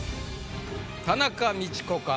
田中道子か？